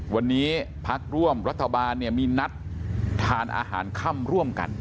วันนี้พักร่วมรัฐบาลเนี่ยมีนัดทานอาหารค่ำร่วมกัน